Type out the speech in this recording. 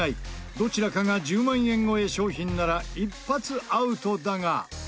どちらかが１０万円超え商品なら一発アウトだが。